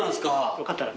よかったら。